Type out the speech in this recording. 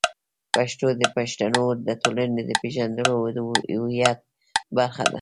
پښتو د پښتنو د ټولنې د پېژندلو او هویت برخه ده.